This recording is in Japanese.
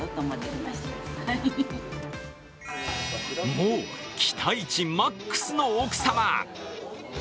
もう、期待値マックスの奥様。